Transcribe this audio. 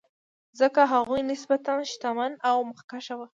ځکه هغوی نسبتا شتمن او مخکښ وو.